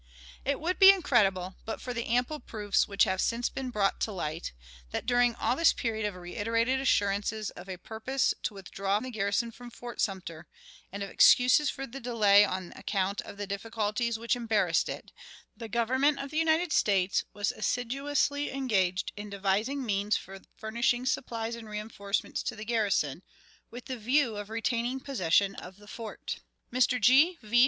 " It would be incredible, but for the ample proofs which have since been brought to light, that, during all this period of reiterated assurances of a purpose to withdraw the garrison from Fort Sumter, and of excuses for delay on account of the difficulties which embarrassed it, the Government of the United States was assiduously engaged in devising means for furnishing supplies and reënforcements to the garrison, with the view of retaining possession of the fort! Mr. G. V.